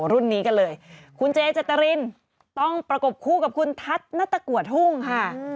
รุ่นนี้กันเลยคุณเจเจตรินต้องประกบคู่กับคุณทัศน์ณตะกัวทุ่งค่ะ